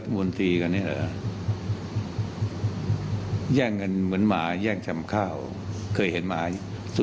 แต่ว่าเพียงแต่ว่าคุณตั้งใครก็ไม่รู้